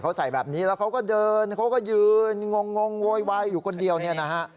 เขาใส่แบบนี้แล้วเขาก็เดินเขาก็ยืนงงโวยวายอยู่คนเดียวเนี่ยนะฮะ